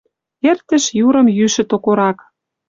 Эртӹш юрым йӱшӹ токорак.